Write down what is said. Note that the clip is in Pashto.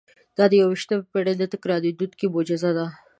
دا د یوویشتمې پېړۍ نه تکرارېدونکې معجزه ده.